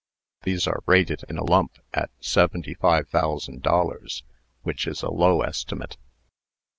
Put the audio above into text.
These are rated in a lump at seventy five thousand dollars, which is a low estimate.